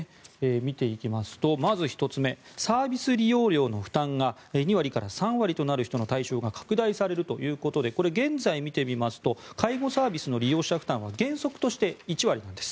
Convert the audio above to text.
見ていきますと、まず１つ目サービス利用料の負担が２割から３割となる人の対象が拡大されるということでこれ、現在見てみますと介護サービスの利用者負担は原則として１割なんです。